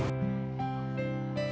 với tinh thần tương thân